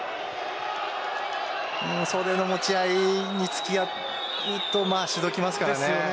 袖の持ち合いにつき合うと指導きますからね。